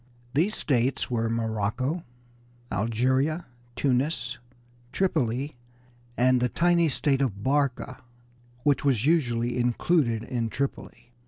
These states were Morocco, Algeria, Tunis, Tripoli, and the tiny state of Barca, which was usually included in Tripoli.